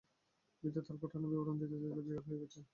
বৃদ্ধ তার ঘটনার বিবরণ দিতে দিতে বিকাল হয়ে গেল।